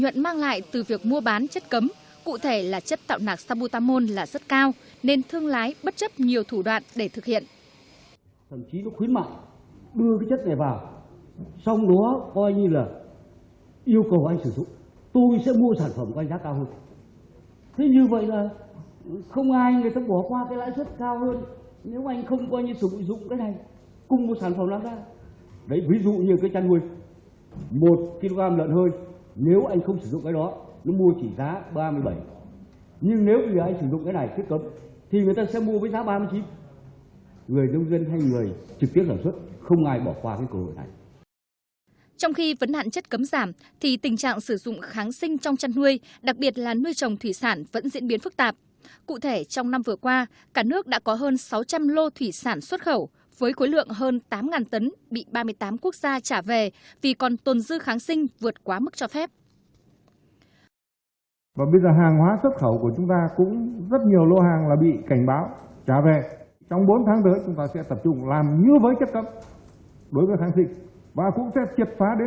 trong bốn tháng nữa chúng ta sẽ tập trung làm như với chất cấm đối với kháng sinh và cũng sẽ triệt phá đến tận gốc chứ không thể chúng ta làm được rồi và không chỉ làm ở phần ngoại